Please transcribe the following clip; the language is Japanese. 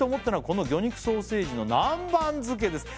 「この魚肉ソーセージの南蛮漬けです」